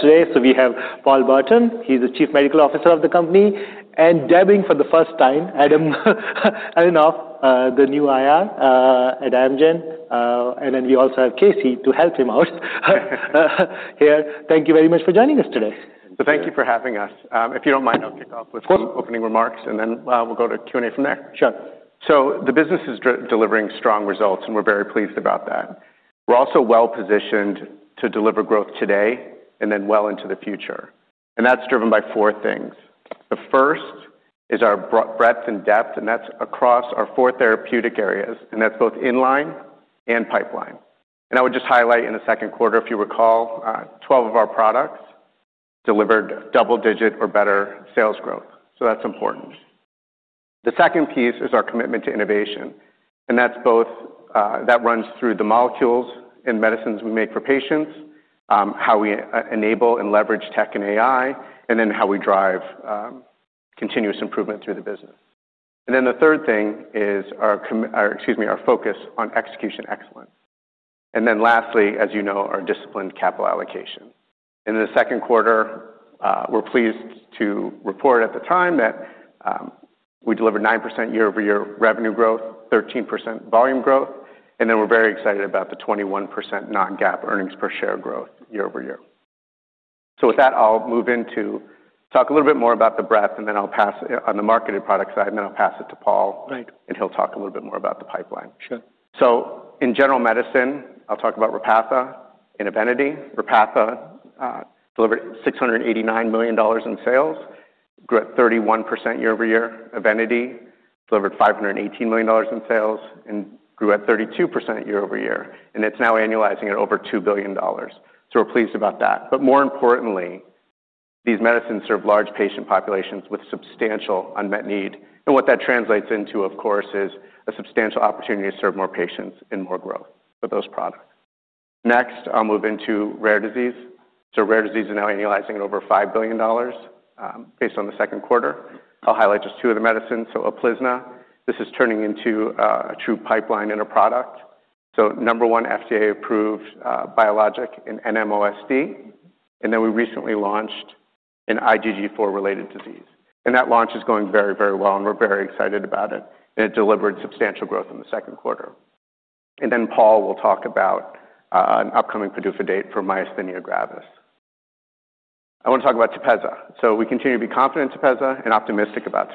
Today, so we have Paul Burton. He's the Chief Medical Officer of the company, and, for the first time, Adam Elinoff, the new IR at Amgen, and then we also have Casey to help him out here. Thank you very much for joining us today. Thank you for having us. If you don't mind, I'll kick off with some opening remarks, and then we'll go to Q&A from there. Sure. So the business is delivering strong results, and we're very pleased about that. We're also well positioned to deliver growth today and then well into the future. And that's driven by four things. The first is our breadth and depth, and that's across our four therapeutic areas. And that's both inline and pipeline. And I would just highlight in the second quarter, if you recall, 12 of our products delivered double-digit or better sales growth. So that's important. The second piece is our commitment to innovation. And that runs through the molecules and medicines we make for patients, how we enable and leverage tech and AI, and then how we drive continuous improvement through the business. And then the third thing is our focus on execution excellence. And then lastly, as you know, our disciplined capital allocation. In the second quarter, we're pleased to report at the time that we delivered 9% year-over-year revenue growth, 13% volume growth. We're very excited about the 21% Non-GAAP earnings per share growth year-over-year. With that, I'll move in to talk a little bit more about the breadth, and then I'll pass on the marketed product side, and then I'll pass it to Paul. Right. He'll talk a little bit more about the pipeline. Sure. In general medicine, I'll talk about Repatha and Evenity. Repatha delivered $689 million in sales, grew at 31% year-over-year. Evenity delivered $518 million in sales and grew at 32% year-over-year. It's now annualizing at over $2 billion. We're pleased about that. More importantly, these medicines serve large patient populations with substantial unmet need. What that translates into, of course, is a substantial opportunity to serve more patients and more growth for those products. Next, I'll move into rare disease. Rare disease is now annualizing at over $5 billion based on the second quarter. I'll highlight just two of the medicines. Uplizna, this is turning into a true pipeline in a product. Number one, FDA-approved biologic in NMOSD. Then we recently launched an IgG4-related disease. That launch is going very, very well, and we're very excited about it. It delivered substantial growth in the second quarter. Then Paul will talk about an upcoming PDUFA date for myasthenia gravis. I want to talk about Tepezza. We continue to be confident in Tepezza and optimistic about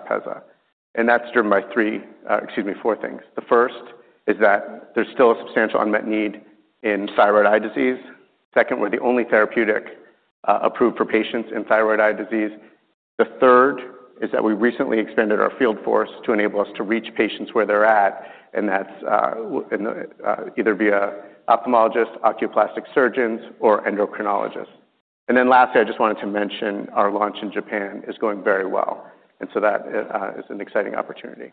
Tepezza. That's driven by three, excuse me, four things. The first is that there's still a substantial unmet need in thyroid eye disease. Second, we're the only therapeutic approved for patients in thyroid eye disease. The third is that we recently expanded our field force to enable us to reach patients where they're at. That's either via ophthalmologists, oculoplastic surgeons, or endocrinologists. Then lastly, I just wanted to mention our launch in Japan is going very well. So that is an exciting opportunity.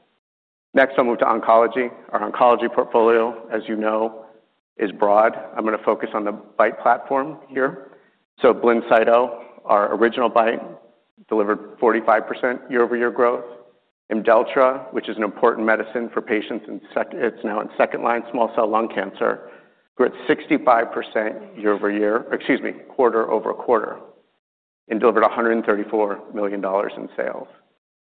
Next, I'll move to oncology. Our oncology portfolio, as you know, is broad. I'm going to focus on the BiTE platform here. Blincyto, our original BiTE, delivered 45% year-over-year growth. Imdelltra, which is an important medicine for patients in, it's now in second line small cell lung cancer, grew at 65% year-over-year, excuse me, quarter over quarter, and delivered $134 million in sales.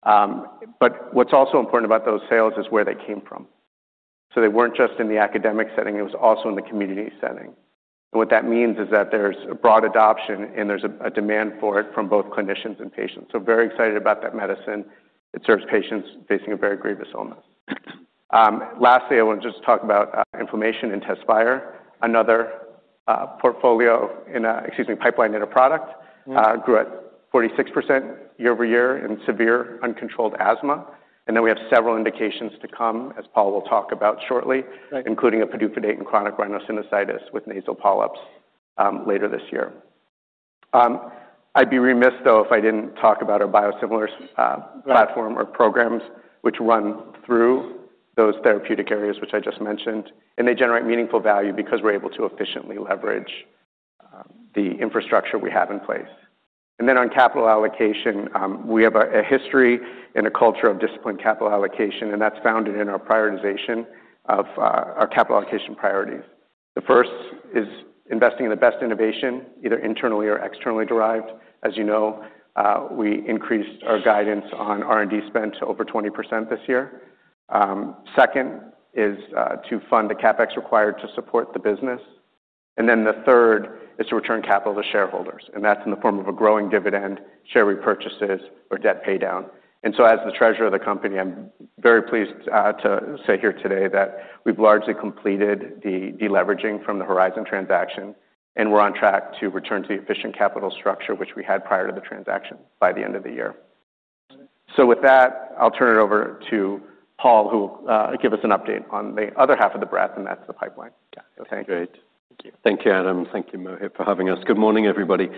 But what's also important about those sales is where they came from. So they weren't just in the academic setting. It was also in the community setting. And what that means is that there's a broad adoption, and there's a demand for it from both clinicians and patients. So very excited about that medicine. It serves patients facing a very grievous illness. Lastly, I want to just talk about inflammation and Tezspire, another portfolio in, excuse me, pipeline in a product, grew at 46% year-over-year in severe uncontrolled asthma. We have several indications to come, as Paul will talk about shortly, including a PDUFA date in chronic rhinosinusitis with nasal polyps later this year. I'd be remiss though if I didn't talk about our biosimilar platform or programs, which run through those therapeutic areas, which I just mentioned. They generate meaningful value because we're able to efficiently leverage the infrastructure we have in place. On capital allocation, we have a history and a culture of disciplined capital allocation. That's founded in our prioritization of our capital allocation priorities. The first is investing in the best innovation, either internally or externally derived. As you know, we increased our guidance on R&D spend to over 20% this year. Second is to fund the CapEx required to support the business. The third is to return capital to shareholders. And that's in the form of a growing dividend, share repurchases, or debt paydown. And so as the treasurer of the company, I'm very pleased to say here today that we've largely completed the deleveraging from the Horizon transaction. And we're on track to return to the efficient capital structure, which we had prior to the transaction by the end of the year. So with that, I'll turn it over to Paul, who will give us an update on the other half of the breadth, and that's the pipeline. Great. Thank you, Adam. Thank you, Mohit, for having us. Good morning, everybody.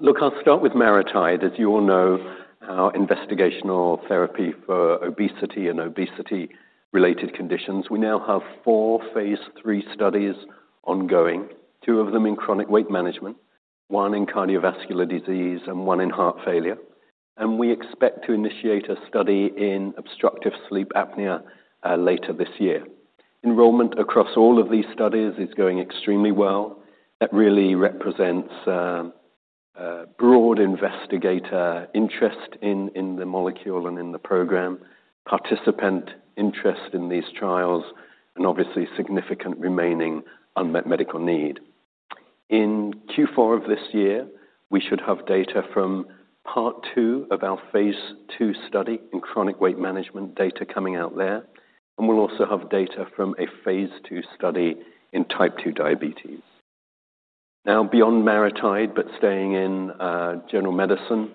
Look, I'll start with MariTide. As you all know, our investigational therapy for obesity and obesity-related conditions. We now have four phase III studies ongoing, two of them in chronic weight management, one in cardiovascular disease, and one in heart failure. We expect to initiate a study in obstructive sleep apnea later this year. Enrollment across all of these studies is going extremely well. That really represents broad investigator interest in the molecule and in the program, participant interest in these trials, and obviously significant remaining unmet medical need. In Q4 of this year, we should have data from part two of our phase II study in chronic weight management, data coming out there. We'll also have data from a phase II study in type 2 diabetes. Now, beyond MariTide, but staying in general medicine,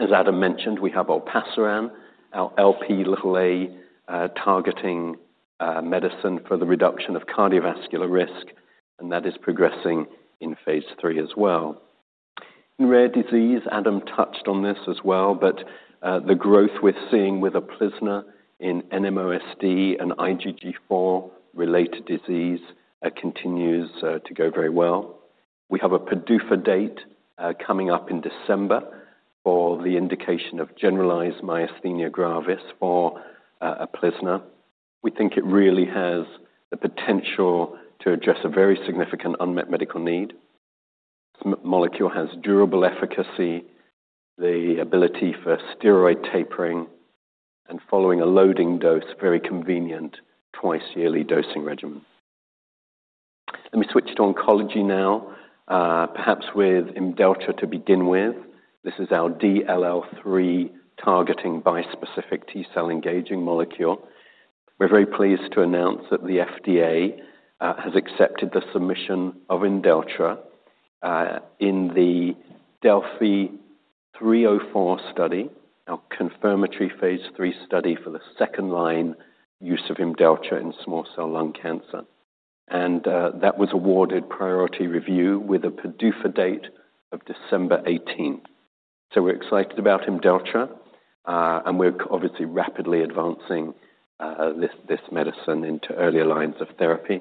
as Adam mentioned, we have Olpasiran, our Lp(a) targeting medicine for the reduction of cardiovascular risk, and that is progressing in phase III as well. In rare disease, Adam touched on this as well, but the growth we're seeing with Uplizna in NMOSD and IgG4-related disease continues to go very well. We have a PDUFA date coming up in December for the indication of generalized myasthenia gravis for Uplizna. We think it really has the potential to address a very significant unmet medical need. This molecule has durable efficacy, the ability for steroid tapering, and following a loading dose, very convenient twice-yearly dosing regimen. Let me switch to oncology now, perhaps with Imdelltra to begin with. This is our DLL3 targeting bispecific T-cell engaging molecule. We're very pleased to announce that the FDA has accepted the submission of Imdelltra in the DeLLphi-304 study, our confirmatory phase III study for the second line use of Imdelltra in small cell lung cancer. And that was awarded priority review with a PDUFA date of December 18. So we're excited about Imdelltra. And we're obviously rapidly advancing this medicine into earlier lines of therapy.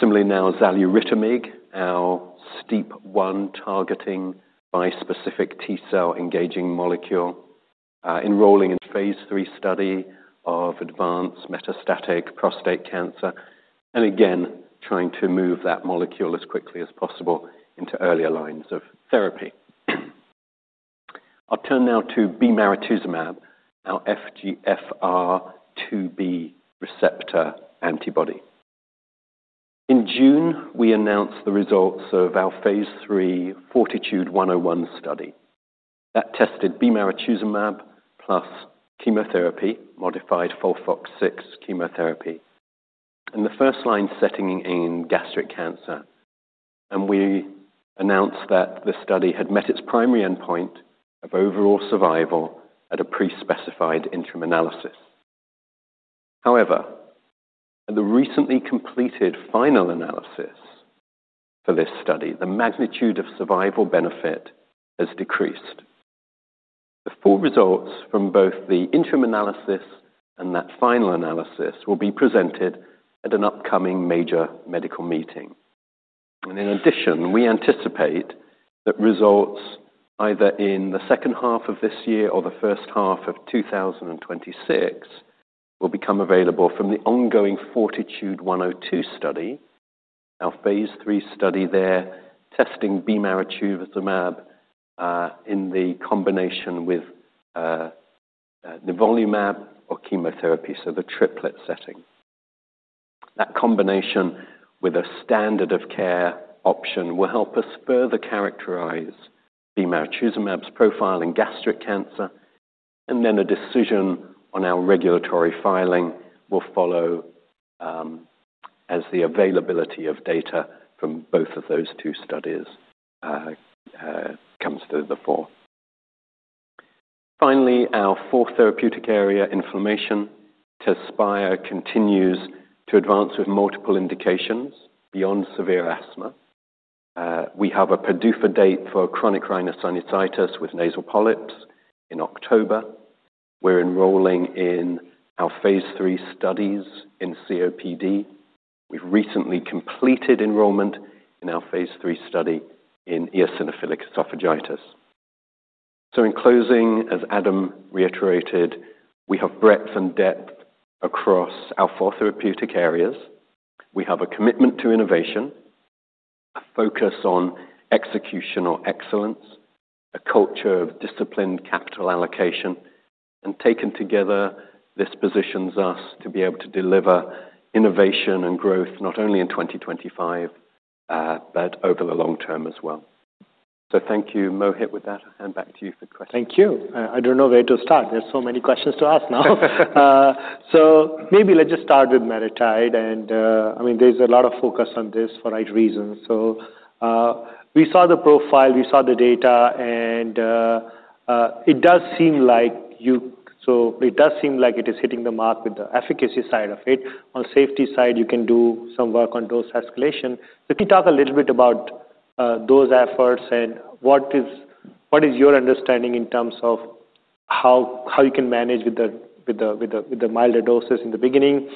Similarly, now Xaluritamig, our STEAP1 targeting bispecific T-cell engaging molecule, enrolling in phase III study of advanced metastatic prostate cancer. And again, trying to move that molecule as quickly as possible into earlier lines of therapy. I'll turn now to Bemarituzumab, our FGFR2b receptor antibody. In June, we announced the results of our phase III FORTITUDE-101 study. That tested Bemarituzumab plus chemotherapy, Modified FOLFOX-6 chemotherapy, in the first line setting in gastric cancer. We announced that the study had met its primary endpoint of overall survival at a pre-specified interim analysis. However, at the recently completed final analysis for this study, the magnitude of survival benefit has decreased. The full results from both the interim analysis and that final analysis will be presented at an upcoming major medical meeting. In addition, we anticipate that results either in the second half of this year or the first half of 2026 will become available from the ongoing FORTITUDE-102 study, our phase III study there testing bemarituzumab in combination with nivolumab and chemotherapy, so the triplet setting. That combination with a standard of care option will help us further characterize bemarituzumab's profile in gastric cancer. A decision on our regulatory filing will follow as the availability of data from both of those two studies comes through the fall. Finally, our fourth therapeutic area, inflammation, Tezspire continues to advance with multiple indications beyond severe asthma. We have a PDUFA date for chronic rhinosinusitis with nasal polyps in October. We're enrolling in our phase III studies in COPD. We've recently completed enrollment in our phase III study in eosinophilic esophagitis. So in closing, as Adam reiterated, we have breadth and depth across our four therapeutic areas. We have a commitment to innovation, a focus on execution or excellence, a culture of disciplined capital allocation. And taken together, this positions us to be able to deliver innovation and growth not only in 2025, but over the long term as well. So thank you, Mohit, with that. I'll hand back to you for questions. Thank you. I don't know where to start. There's so many questions to ask now. So maybe let's just start with MariTide. I mean, there's a lot of focus on this for the right reasons. We saw the profile, we saw the data, and it does seem like it is hitting the mark with the efficacy side of it. On the safety side, you can do some work on dose escalation. Can you talk a little bit about those efforts and what is your understanding in terms of how you can manage with the milder doses in the beginning?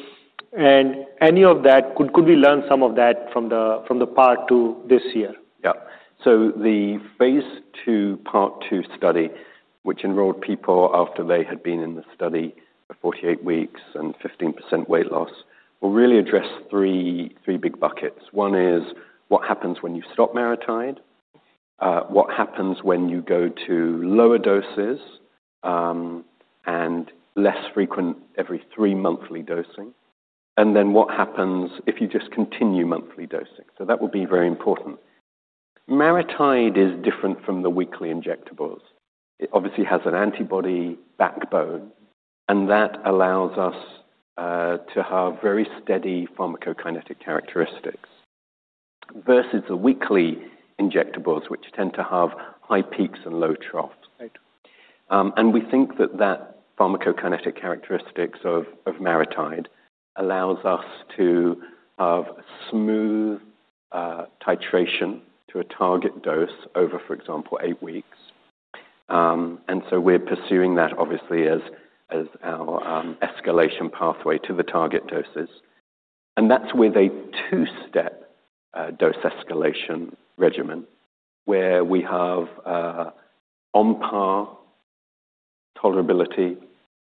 Any of that, could we learn some of that from the part two this year? Yeah. So the phase II part 2 study, which enrolled people after they had been in the study for 48 weeks and 15% weight loss, will really address three big buckets. One is what happens when you stop MariTide, what happens when you go to lower doses, and less frequent every three monthly dosing. And then what happens if you just continue monthly dosing. So that will be very important. MariTide is different from the weekly injectables. It obviously has an antibody backbone. And that allows us to have very steady pharmacokinetic characteristics versus the weekly injectables, which tend to have high peaks and low troughs. And we think that that pharmacokinetic characteristics of MariTide allows us to have smooth titration to a target dose over, for example, eight weeks. And so we're pursuing that obviously as our escalation pathway to the target doses. That's with a two-step dose escalation regimen where we have on par tolerability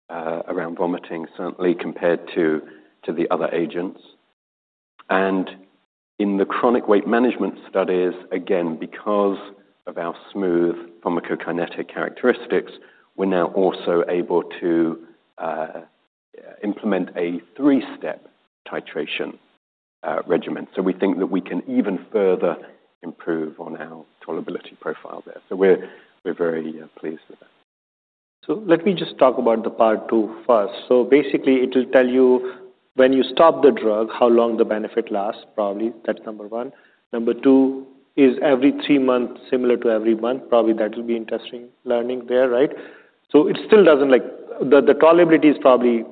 around vomiting, certainly compared to the other agents. In the chronic weight management studies, again, because of our smooth pharmacokinetic characteristics, we're now also able to implement a three-step titration regimen. We think that we can even further improve on our tolerability profile there. We're very pleased with that. Let me just talk about the part two first. Basically, it will tell you when you stop the drug, how long the benefit lasts, probably. That's number one. Number two is every three months, similar to every month, probably that will be interesting learning there, right? It still doesn't like, the tolerability is probably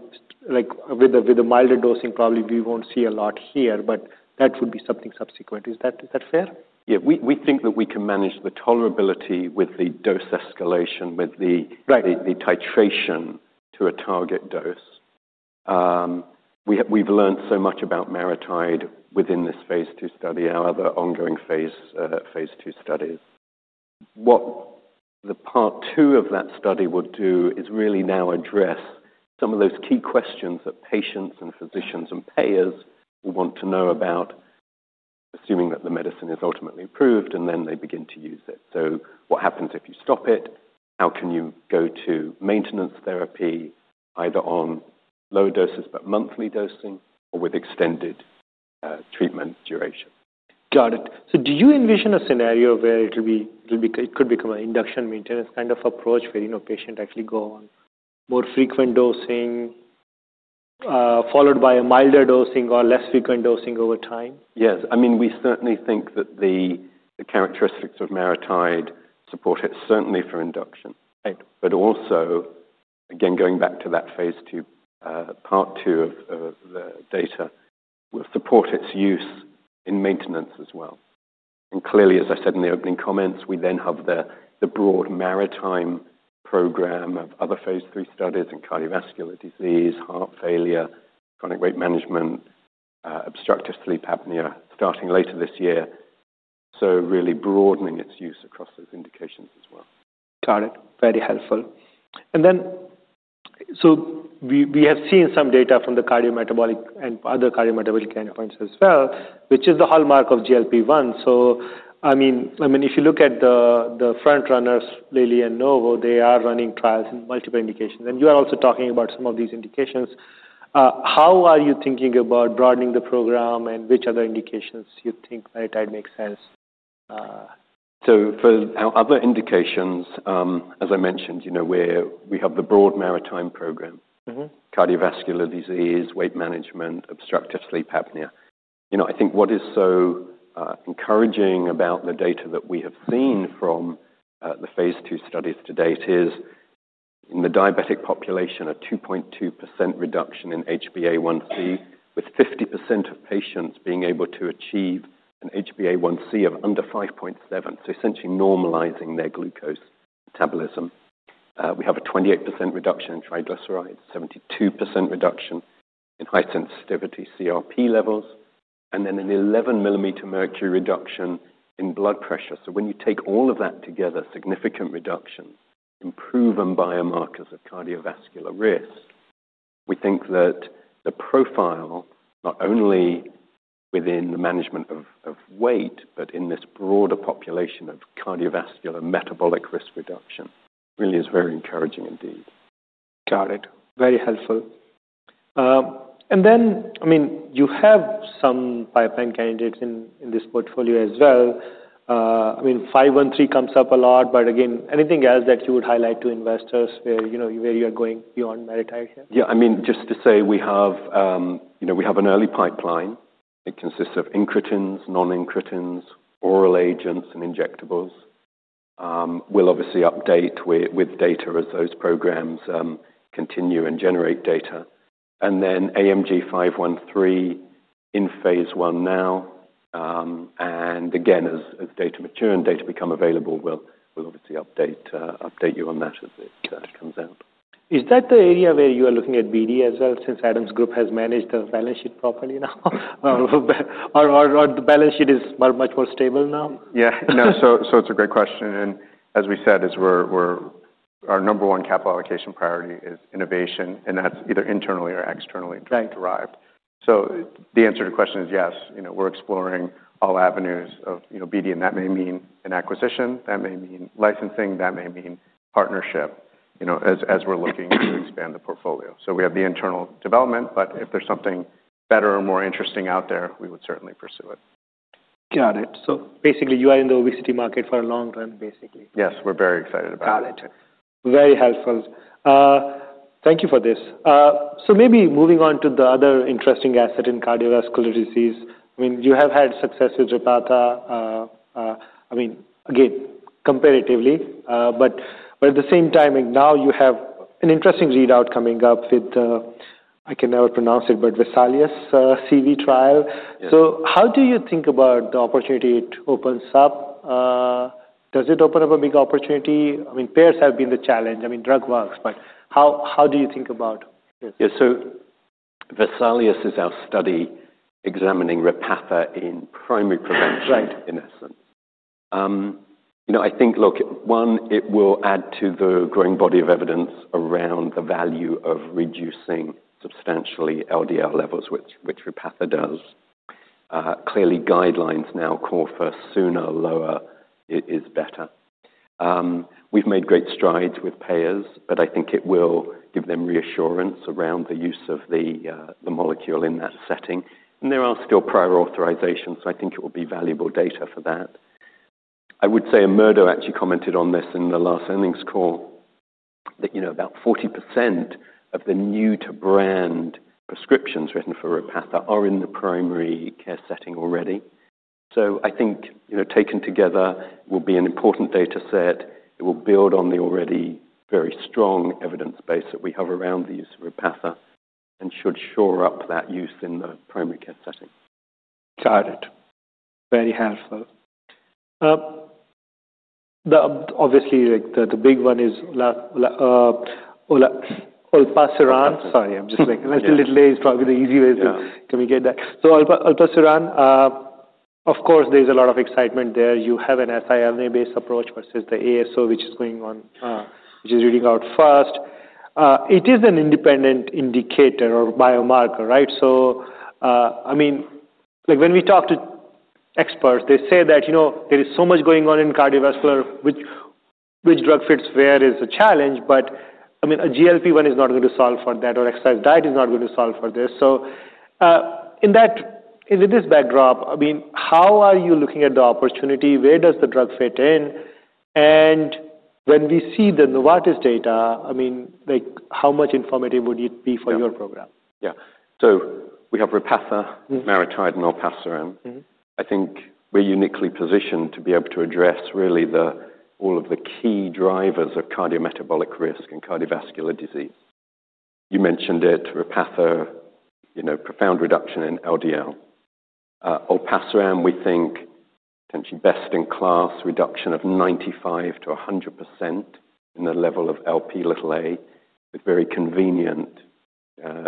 with the milder dosing, probably we won't see a lot here, but that would be something subsequent. Is that fair? Yeah. We think that we can manage the tolerability with the dose escalation, with the titration to a target dose. We've learned so much about MariTide within this phase II study, our other ongoing phase II studies. What the part two of that study will do is really now address some of those key questions that patients and physicians and payers will want to know about, assuming that the medicine is ultimately approved and then they begin to use it. So what happens if you stop it? How can you go to maintenance therapy, either on lower doses, but monthly dosing, or with extended treatment duration? Got it. So do you envision a scenario where it could become an induction maintenance kind of approach where patients actually go on more frequent dosing, followed by a milder dosing or less frequent dosing over time? Yes. I mean, we certainly think that the characteristics of MariTide support it certainly for induction. But also, again, going back to that phase II, part two of the data, will support its use in maintenance as well. And clearly, as I said in the opening comments, we then have the broad MariTide program of other phase III studies in cardiovascular disease, heart failure, chronic weight management, obstructive sleep apnea starting later this year. So really broadening its use across those indications as well. Got it. Very helpful, and then, so we have seen some data from the cardiometabolic and other cardiometabolic endpoints as well, which is the hallmark of GLP-1. I mean, if you look at the front runners, Lilly and Novo, they are running trials in multiple indications. You are also talking about some of these indications. How are you thinking about broadening the program and which other indications you think MariTide makes sense? For our other indications, as I mentioned, we have the broad MariTide program, cardiovascular disease, weight management, obstructive sleep apnea. I think what is so encouraging about the data that we have seen from the phase II studies to date is in the diabetic population, a 2.2% reduction in HbA1c, with 50% of patients being able to achieve an HbA1c of under 5.7, so essentially normalizing their glucose metabolism. We have a 28% reduction in triglycerides, 72% reduction in high sensitivity CRP levels, and then an 11 mm Hg reduction in blood pressure. When you take all of that together, significant reduction, improved on biomarkers of cardiovascular risk, we think that the profile, not only within the management of weight, but in this broader population of cardiovascular metabolic risk reduction, really is very encouraging indeed. Got it. Very helpful, and then, I mean, you have some pipeline candidates in this portfolio as well. I mean, 513 comes up a lot, but again, anything else that you would highlight to investors where you are going beyond MariTide here? Yeah. I mean, just to say we have an early pipeline. It consists of incretins, non-incretins, oral agents, and injectables. We'll obviously update with data as those programs continue and generate data. And then AMG 513 in phase 1 now. And again, as data mature and data become available, we'll obviously update you on that as it comes out. Is that the area where you are looking at BD as well since Adam's group has managed the balance sheet properly now? Or the balance sheet is much more stable now? Yeah. No. So it's a great question. And as we said, our number one capital allocation priority is innovation. And that's either internally or externally derived. So the answer to the question is yes. We're exploring all avenues of BD, and that may mean an acquisition, that may mean licensing, that may mean partnership as we're looking to expand the portfolio. So we have the internal development, but if there's something better or more interesting out there, we would certainly pursue it. Got it, so basically, you are in the obesity market for a long run, basically. Yes. We're very excited about it. Got it. Very helpful. Thank you for this, so maybe moving on to the other interesting asset in cardiovascular disease. I mean, you have had success with Repatha. I mean, again, comparatively, but at the same time, now you have an interesting readout coming up with, I can never pronounce it, but VESALIUS-CV trial, so how do you think about the opportunity it opens up? Does it open up a big opportunity? I mean, payers have been the challenge. I mean, drug works, but how do you think about this? Yeah. So VESALIUS-CV is our study examining Repatha in primary prevention, in essence. I think, look, one, it will add to the growing body of evidence around the value of reducing substantially LDL levels, which Repatha does. Clearly, guidelines now call for sooner, lower is better. We've made great strides with payers, but I think it will give them reassurance around the use of the molecule in that setting. And there are still prior authorizations, so I think it will be valuable data for that. I would say Murdo actually commented on this in the last earnings call, that about 40% of the new-to-brand prescriptions written for Repatha are in the primary care setting already. So I think taken together, it will be an important data set. It will build on the already very strong evidence base that we have around the use of Repatha and should shore up that use in the primary care setting. Got it. Very helpful. Obviously, the big one is Olpasiran. Sorry, I'm just like a little late probably. The easy way is, can we get that? So Olpasiran, of course, there's a lot of excitement there. You have a siRNA-based approach versus the ASO, which is going on, which is reading out fast. It is an independent indicator or biomarker, right? So I mean, when we talk to experts, they say that there is so much going on in cardiovascular, which drug fits where is a challenge, but I mean, a GLP-1 is not going to solve for that, or exercise diet is not going to solve for this. So with this backdrop, I mean, how are you looking at the opportunity? Where does the drug fit in? And when we see the Novartis data, I mean, how much informative would it be for your program? Yeah. So we have Repatha, MariTide, and Olpasiran. I think we're uniquely positioned to be able to address really all of the key drivers of cardiometabolic risk and cardiovascular disease. You mentioned it, Repatha, profound reduction in LDL. Olpasiran, we think potentially best in class, reduction of 95%-100% in the level of Lp(a), with very convenient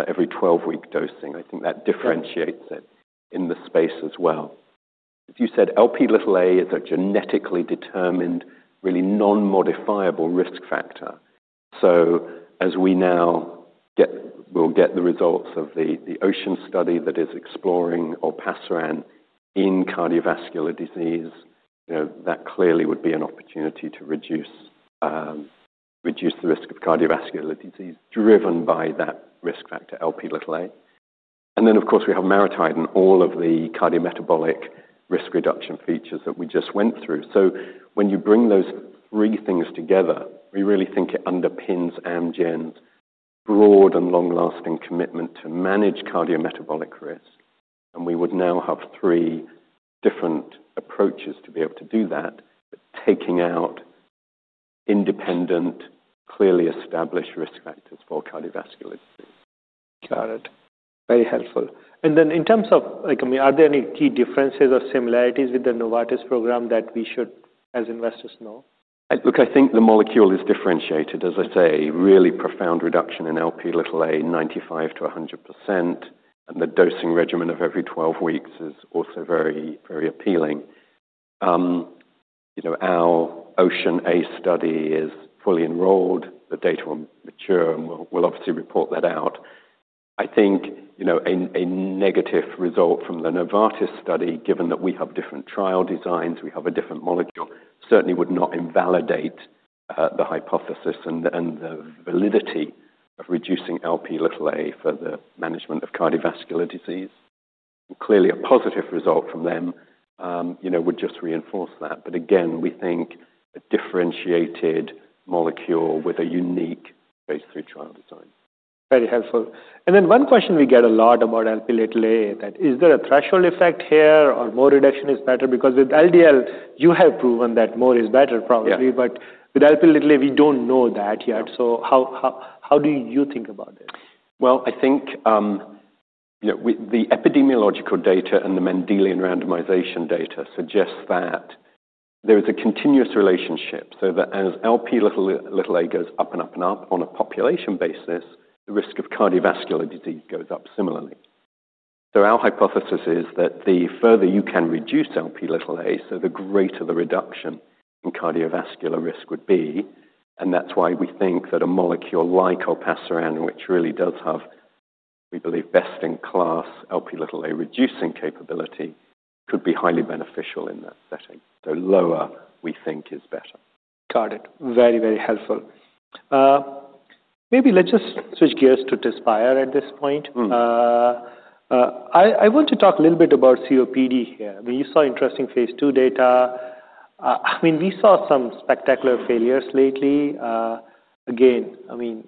every 12-week dosing. I think that differentiates it in the space as well. As you said, Lp(a) is a genetically determined, really non-modifiable risk factor. So as we now will get the results of the OCEAN(a) study that is exploring Olpasiran in cardiovascular disease, that clearly would be an opportunity to reduce the risk of cardiovascular disease driven by that risk factor, Lp(a). And then, of course, we have MariTide and all of the cardiometabolic risk reduction features that we just went through. So when you bring those three things together, we really think it underpins Amgen's broad and long-lasting commitment to manage cardiometabolic risk. And we would now have three different approaches to be able to do that, taking out independent, clearly established risk factors for cardiovascular disease. Got it. Very helpful. And then in terms of, I mean, are there any key differences or similarities with the Novartis program that we should, as investors, know? Look, I think the molecule is differentiated. As I say, really profound reduction in Lp(a), 95%-100%. And the dosing regimen of every 12 weeks is also very appealing. Our OCEAN(a) study is fully enrolled. The data will mature and we'll obviously report that out. I think a negative result from the Novartis study, given that we have different trial designs, we have a different molecule, certainly would not invalidate the hypothesis and the validity of reducing Lp(a) for the management of cardiovascular disease. Clearly, a positive result from them would just reinforce that. But again, we think a differentiated molecule with a unique phase III trial design. Very helpful. And then one question we get a lot about Lp(a), that is there a threshold effect here or more reduction is better? Because with LDL, you have proven that more is better, probably, but with Lp(a), we don't know that yet. So how do you think about it? I think the epidemiological data and the Mendelian randomization data suggest that there is a continuous relationship, so that as Lp(a) goes up and up and up on a population basis, the risk of cardiovascular disease goes up similarly. Our hypothesis is that the further you can reduce Lp(a), so the greater the reduction in cardiovascular risk would be. And that's why we think that a molecule like Olpasiran, which really does have, we believe, best-in-class Lp(a) reducing capability, could be highly beneficial in that setting. Lower, we think, is better. Got it. Very, very helpful. Maybe let's just switch gears to Tezspire at this point. I want to talk a little bit about COPD here. I mean, you saw interesting phase II data. I mean, we saw some spectacular failures lately. Again, I mean,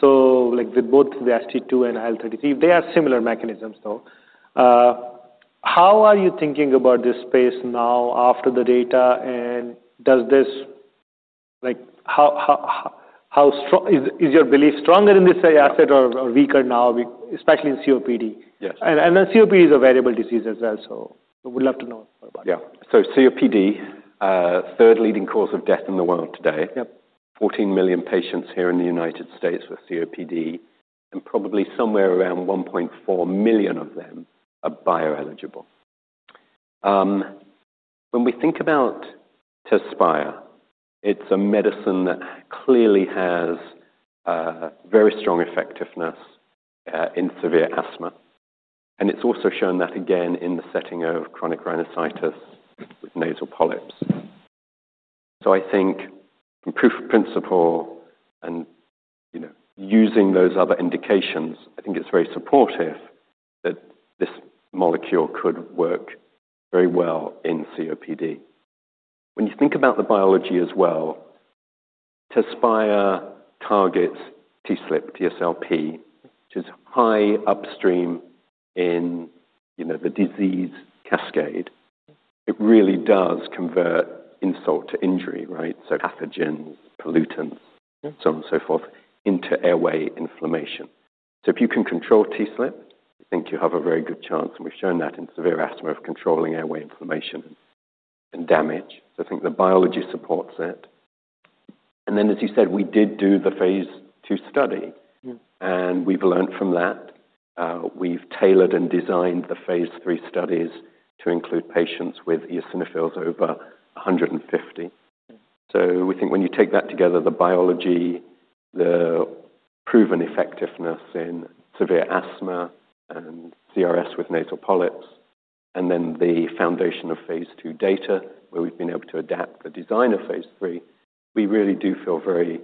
so with both the ST2 and IL-33, they are similar mechanisms, though. How are you thinking about this space now after the data? And is your belief stronger in this asset or weaker now, especially in COPD? Yes. COPD is a variable disease as well, so we'd love to know more about it. Yeah. So, COPD, third leading cause of death in the world today. 14 million patients here in the United States with COPD, and probably somewhere around 1.4 million of them are bioeligible. When we think about Tezspire, it's a medicine that clearly has very strong effectiveness in severe asthma. And it's also shown that, again, in the setting of chronic rhinosinusitis with nasal polyps. So I think, in principle, and using those other indications, I think it's very supportive that this molecule could work very well in COPD. When you think about the biology as well, Tezspire targets TSLP, which is high upstream in the disease cascade. It really does convert insult to injury, right? So pathogens, pollutants, so on and so forth, into airway inflammation. So if you can control TSLP, I think you have a very good chance, and we've shown that in severe asthma of controlling airway inflammation and damage. I think the biology supports it. And then, as you said, we did do the phase II study, and we've learned from that. We've tailored and designed the phase III studies to include patients with eosinophils over 150. We think when you take that together, the biology, the proven effectiveness in severe asthma and CRS with nasal polyps, and then the foundation of phase II data, where we've been able to adapt the design of phase III, we really do feel very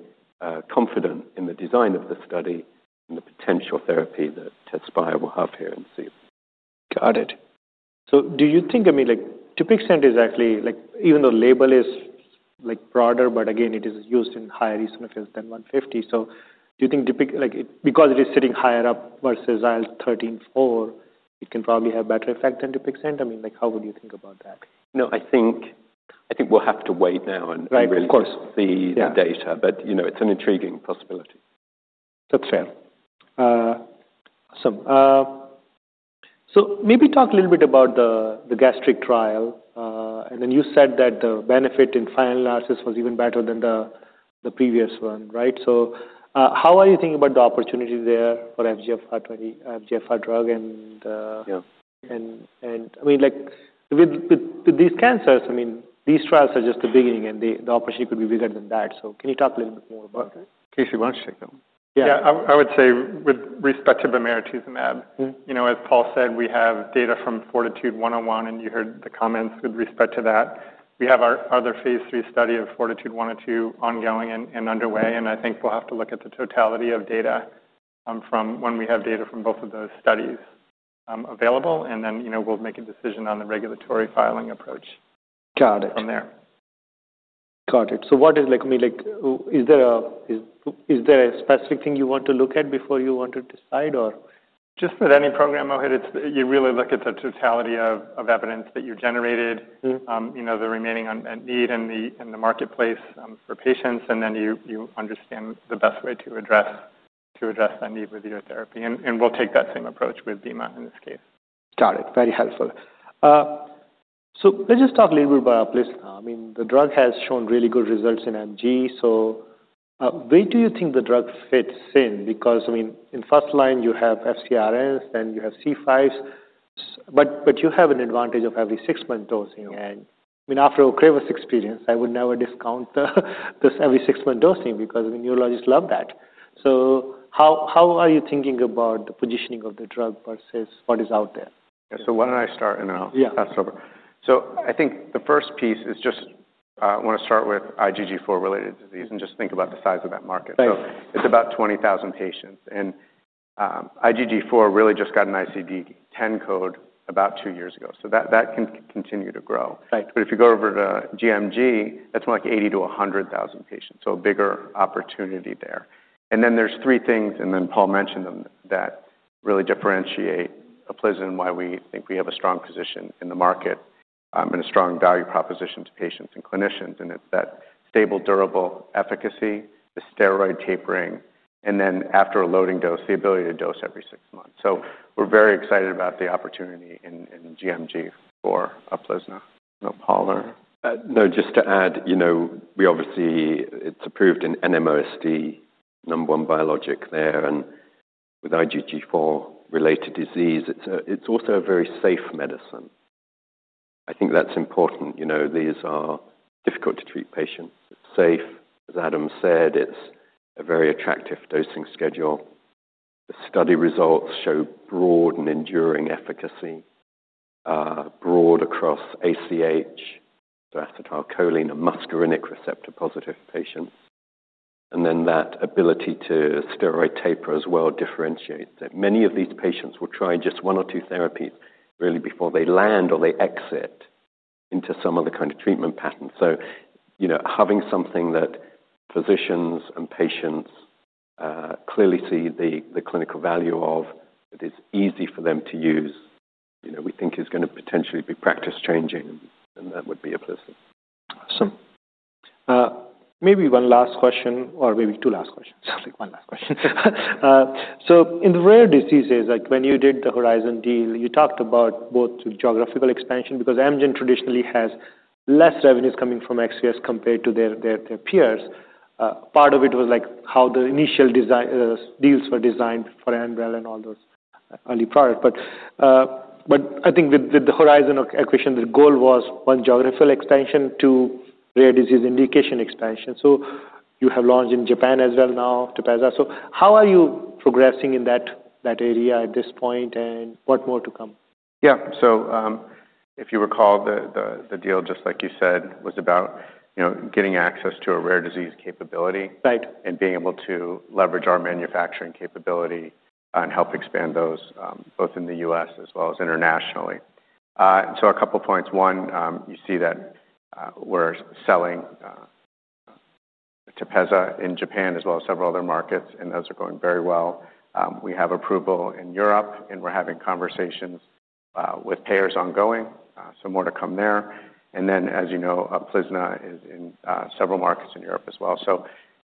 confident in the design of the study and the potential therapy that Tezspire will have here in COPD. Got it. So do you think, I mean, Dupixent is actually, even though the label is broader, but again, it is used in higher eosinophils than 150. So do you think because it is sitting higher up versus IL-33, it can probably have a better effect than Dupixent? I mean, how would you think about that? I think we'll have to wait now and really see the data, but it's an intriguing possibility. That's fair. Awesome. So maybe talk a little bit about the gastric trial. And then you said that the benefit in final analysis was even better than the previous one, right? So how are you thinking about the opportunity there for FGFR drug? And I mean, with these cancers, I mean, these trials are just the beginning, and the opportunity could be bigger than that. So can you talk a little bit more about that? Casey, why don't you take that one? Yeah. I would say, with respect to bemarituzumab, as Paul said, we have data from FORTITUDE-101, and you heard the comments with respect to that. We have our other phase III study of FORTITUDE-102 ongoing and underway, and I think we'll have to look at the totality of data from when we have data from both of those studies available, and then we'll make a decision on the regulatory filing approach from there. Got it. Got it. So what is, I mean, is there a specific thing you want to look at before you want to decide, or? Just with any program, you really look at the totality of evidence that you've generated, the remaining unmet need in the marketplace for patients, and then you understand the best way to address that need with your therapy. And we'll take that same approach with bemarituzumab in this case. Got it. Very helpful. So let's just talk a little bit about. I mean, the drug has shown really good results in MG. So where do you think the drug fits in? Because, I mean, in first line, you have FcRns, then you have C5s, but you have an advantage of every six-month dosing. And I mean, after Ocrevus experience, I would never discount this every six-month dosing because neurologists love that. So how are you thinking about the positioning of the drug versus what is out there? Yeah. So why don't I start and then I'll pass it over? Yeah. I think the first piece is just I want to start with IgG4-related disease and just think about the size of that market. It's about 20,000 patients. IgG4 really just got an ICD-10 code about two years ago. That can continue to grow. If you go over to GMG, that's more like 80-100,000 patients. A bigger opportunity there. Then there's three things, and then Paul mentioned them, that really differentiate Uplizna, and why we think we have a strong position in the market and a strong value proposition to patients and clinicians. It's that stable, durable efficacy, the steroid tapering, and then after a loading dose, the ability to dose every six months. We're very excited about the opportunity in GMG for Uplizna. Paul or? No, just to add, we obviously, it's approved in NMOSD, number one biologic there. And with IgG4-related disease, it's also a very safe medicine. I think that's important. These are difficult to treat patients. It's safe, as Adam said. It's a very attractive dosing schedule. The study results show broad and enduring efficacy, broad across ACh, so acetylcholine, and muscarinic receptor-positive patients. And then that ability to steroid taper as well differentiates. Many of these patients will try just one or two therapies really before they land or they exit into some other kind of treatment pattern. So having something that physicians and patients clearly see the clinical value of, that is easy for them to use, we think is going to potentially be practice-changing, and that would be Uplizna. Awesome. Maybe one last question, or maybe two last questions. One last question. So in the rare diseases, when you did the Horizon deal, you talked about both geographical expansion because Amgen traditionally has less revenues coming from ex-US compared to their peers. Part of it was how the initial deals were designed for Enbrel and all those early products. But I think with the Horizon acquisition, the goal was one geographical expansion, two rare disease indication expansion. So you have launched in Japan as well now, Tepezza. So how are you progressing in that area at this point, and what more to come? Yeah. So if you recall, the deal, just like you said, was about getting access to a rare disease capability and being able to leverage our manufacturing capability and help expand those both in the US as well as internationally. So a couple of points. One, you see that we're selling Tepezza in Japan as well as several other markets, and those are going very well. We have approval in Europe, and we're having conversations with payers ongoing. So more to come there. And then, as you know, Uplizna is in several markets in Europe as well.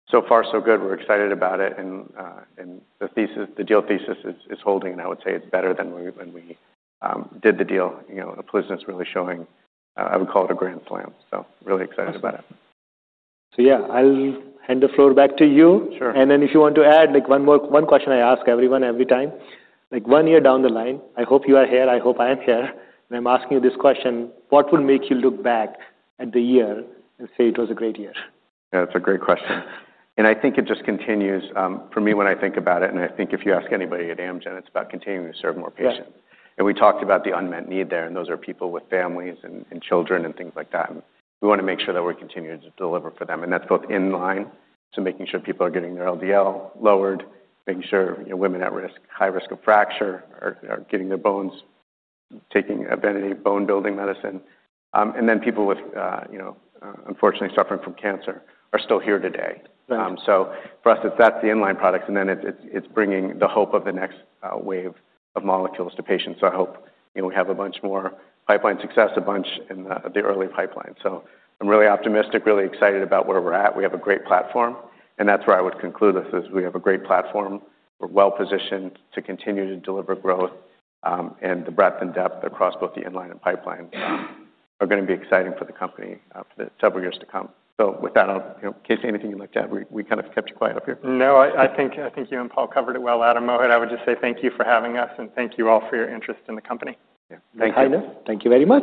So far, so good. We're excited about it. And the deal thesis is holding, and I would say it's better than when we did the deal. Uplizna is really showing, I would call it a grand slam. So really excited about it. So yeah, I'll hand the floor back to you. And then if you want to add, one question I ask everyone every time. One year down the line, I hope you are here. I hope I am here. And I'm asking you this question. What would make you look back at the year and say it was a great year? Yeah, that's a great question. And I think it just continues. For me, when I think about it, and I think if you ask anybody at Amgen, it's about continuing to serve more patients. And we talked about the unmet need there, and those are people with families and children and things like that. And we want to make sure that we're continuing to deliver for them. And that's both in-line, so making sure people are getting their LDL lowered, making sure women at risk, high risk of fracture, are getting their bones, taking a bone-building medicine. And then people with, unfortunately, suffering from cancer are still here today. So for us, that's the in-line products. And then it's bringing the hope of the next wave of molecules to patients. So I hope we have a bunch more pipeline success, a bunch in the early pipeline. So I'm really optimistic, really excited about where we're at. We have a great platform. And that's where I would conclude this, is we have a great platform. We're well positioned to continue to deliver growth. And the breadth and depth across both the inline and pipeline are going to be exciting for the company for several years to come. So with that, Casey, anything you'd like to add? We kind of kept you quiet up here. No, I think you and Paul covered it well, Adam, Mohit. I would just say thank you for having us, and thank you all for your interest in the company. Thank you. Thank you, everyone.